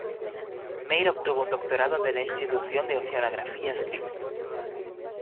Meir obtuvo un doctorado de la Institución de Oceanografía Scripps.